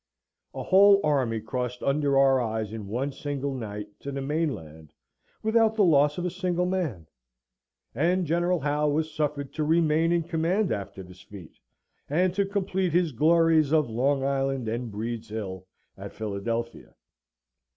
A whole army crossed under our eyes in one single night to the mainland without the loss of a single man; and General Howe was suffered to remain in command after this feat, and to complete his glories of Long Island and Breed's Hill, at Philadelphia!